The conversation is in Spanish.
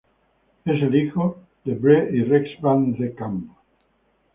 Es el hijo de Bree y Rex Van De Kamp.